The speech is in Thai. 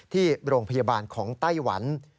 ที่โรงพยาบาลของไต้หวัน